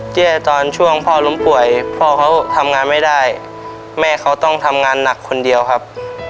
แก้ตอนช่วงพ่อล้มป่วยพ่อเขาทำงานไม่ได้แม่เขาต้องทำงานหนักคนเดียวครับ